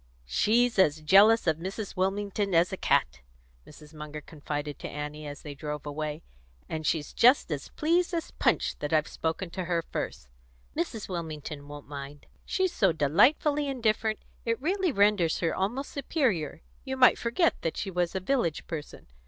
"She's as jealous of Mrs. Wilmington as a cat," Mrs. Munger confided to Annie as they drove away; "and she's just as pleased as Punch that I've spoken to her first. Mrs. Wilmington won't mind. She's so delightfully indifferent, it really renders her almost superior; you might forget that she was a village person.